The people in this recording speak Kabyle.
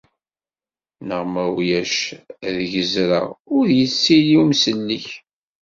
Neɣ ma ulac ad gezreɣ, ur ittili umsellek.